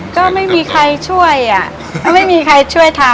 ก็ไม่มีใครช่วยอ่ะก็ไม่มีใครช่วยทำ